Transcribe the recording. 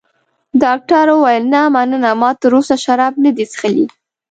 ډاکټر وویل: نه، مننه، ما تراوسه شراب نه دي څښلي.